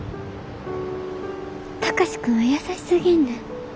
貴司君は優しすぎんねん。